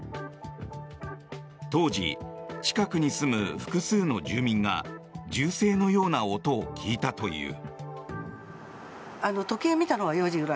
当時、近くに住む複数の住民が銃声のような音を聞いたという。